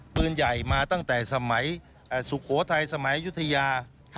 ปืนใหญ่มาตั้งแต่สมัยสุโขทัยสมัยยุธยา